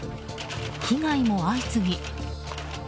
被害も相次ぎ。